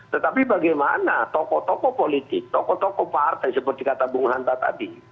tetapi bagaimana tokoh tokoh politik tokoh tokoh partai seperti kata bung hanta tadi